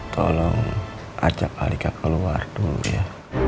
tolong ajak alika keluar dulu ya